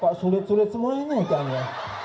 kok sulit sulit semuanya ikannya